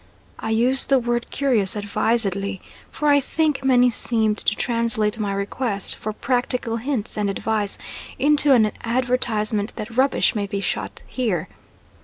I use the word curious advisedly, for I think many seemed to translate my request for practical hints and advice into an advertisement that "Rubbish may be shot here."